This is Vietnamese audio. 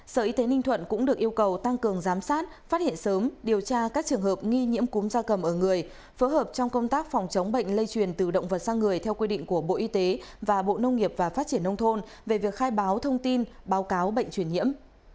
sở y tế ninh thuận cũng được yêu cầu tăng cường giám sát phát hiện sớm điều tra các trường hợp nghi nhiễm cúm gia cầm ở người phối hợp trong công tác phòng chống bệnh lây truyền từ động vật sang người theo quy định của bộ y tế và bộ nông nghiệp và phát triển nông thôn về việc khai báo thông tin báo cáo bệnh truyền nhiễm